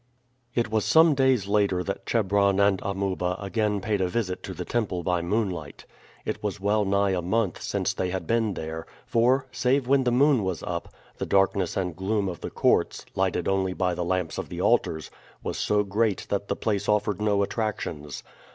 It was some days later that Chebron and Amuba again paid a visit to the temple by moonlight. It was well nigh a month since they had been there; for, save when the moon was up, the darkness and gloom of the courts, lighted only by the lamps of the altars, was so great that the place offered no attractions.